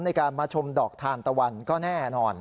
ในการมาชมดอกทานตะวันก็แน่นอน